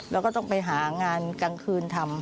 แล้วก็ต้องไปหางานกลางคืนทำ